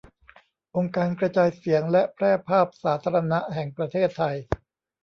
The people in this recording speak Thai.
องค์การกระจายเสียงและแพร่ภาพสาธารณะแห่งประเทศไทย